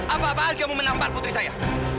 apa apaan kamu menampar putri saya